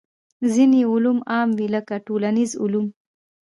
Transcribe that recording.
ځینې علوم عام وي لکه ټولنیز علوم.